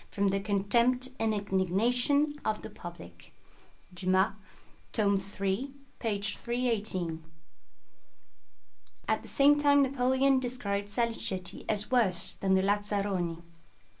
from the contempt and indignation of the public" (Dumas, tome iii. p. 318). At the same time Napoleon described Salicetti as worse than the lazzaroni.